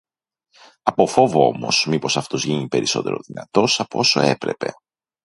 Από φόβο όμως, μήπως αυτός γίνει περισσότερο δυνατός, από όσο έπρεπε,